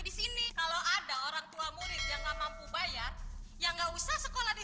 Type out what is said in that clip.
di sini kalau ada orang tua murid yang nggak mampu bayar ya nggak usah sekolah di